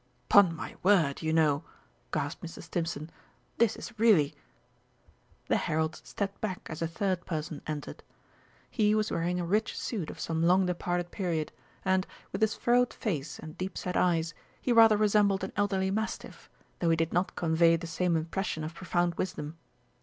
"'Pon my word, you know," gasped Mr. Stimpson, "this is really " The heralds stepped back as a third person entered. He was wearing a rich suit of some long departed period, and, with his furrowed face and deep set eyes, he rather resembled an elderly mastiff, though he did not convey the same impression of profound wisdom.